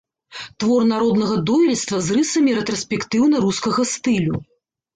Твор народнага дойлідства з рысамі рэтраспектыўна-рускага стылю.